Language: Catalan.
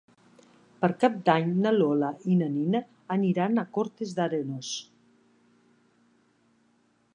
Per Cap d'Any na Lola i na Nina aniran a Cortes d'Arenós.